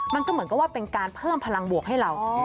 มันก็เหมือนกับว่าเป็นการเพิ่มพลังบวกให้เรา